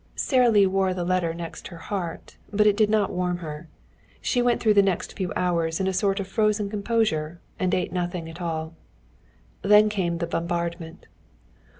Sara Lee wore the letter next her heart, but it did not warm her. She went through the next few hours in a sort of frozen composure and ate nothing at all. Then came the bombardment.